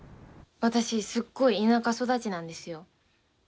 私、すっごい田舎育ちなんですよ。